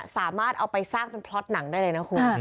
สามารถสร้างเป็นพล็อตหนังได้เลยนะครับ